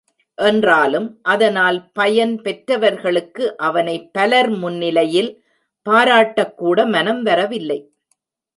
என்றாலும் அதனால் பயன் பெற்றவர்களுக்கு அவனை பலர் முன்னிலையில் பாராட்டக் கூட மனம் வரவில்லை.